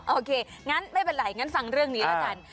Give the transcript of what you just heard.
โอเคงั้นไม่เป็นไรงั้นฟังเรื่องนี้แล้วกัน